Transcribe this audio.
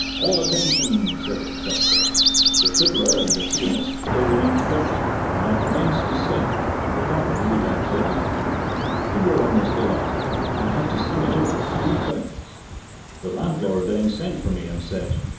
"All attention!" said the conductor. The fiddler and the pianist played an introduction, and I commenced to sing, and the company began to laugh. Every one was delighted, and I had to sing it over three times. The landlord then sent for me and said.